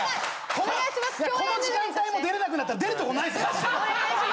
この時間帯も出れなくなったら出るとこないですマジで。